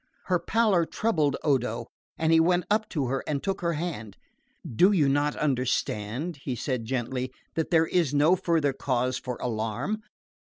Her pallor troubled Odo and he went up to her and took her hand. "Do you not understand," he said gently, "that there is no farther cause for alarm?